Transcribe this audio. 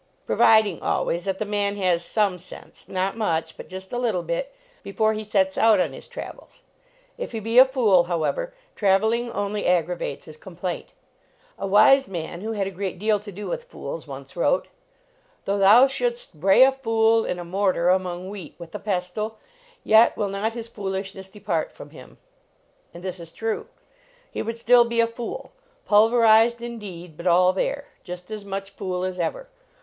Providing, always, that the man has some sense, not much, but just a little bit, before he sets out on his trav els. If he be a fool, however, traveling only aggravates his complaint. A wise man, who had a great deal to do with fools, once wrote, LEARNING TO TRAVEL Though thou shouldst bray a fool in a mor tar among wheat with a pestle, yet will not his foolishness depart from him. And this is true. He would still be a fool; pulver ized, indeed, but all there; just as much fool as ever.